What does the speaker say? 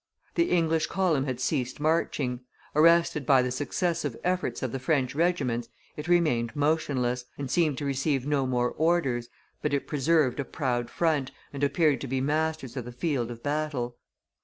The English column had ceased marching; arrested by the successive efforts of the French regiments, it remained motionless, and seemed to receive no more orders, but it preserved a proud front, and appeared to be masters of the field of battle.